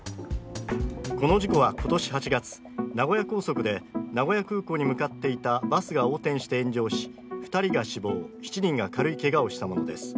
この事故は今年８月、名古屋高速で名古屋空港に向かっていたバスが横転して炎上し、２人が死亡、７人が軽いけがをしたものです。